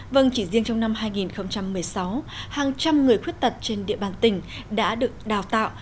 vâng chỉ riêng trong năm hai nghìn một mươi sáu hàng trăm người khuyết tật trên địa bàn tỉnh đã được đào tạo